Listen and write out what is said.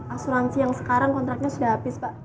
asuransi yang sekarang kontraknya sudah habis pak